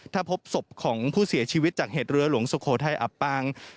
ถ้าพบศพของผู้เสียชีวิตจากเหตุเรือหลวงสุโขทัยอับปาง